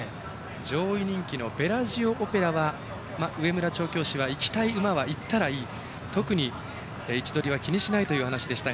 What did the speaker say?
上位人気のベラジオオペラは上村調教師はいきたい馬はいったらいい特に、位置取りは気にしないという話でした。